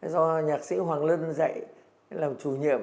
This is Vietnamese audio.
do nhạc sĩ hoàng lân dạy làm chủ nhiệm